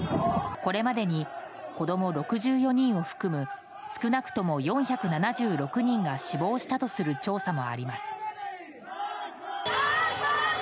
これまでに子供６４人を含む少なくとも４７６人が死亡したとする調査もあります。